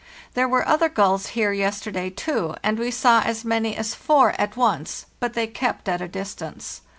There were other gulls here, yesterday, too, and we saw as many as four at once; but they kept at a distance.